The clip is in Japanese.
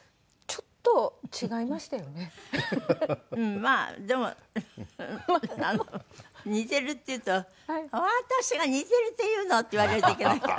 まあでも似てるっていうと「私が似てるっていうの？」って言われるといけないから。